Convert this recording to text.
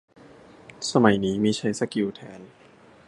สมัยนี้มีใช้สกิล แทน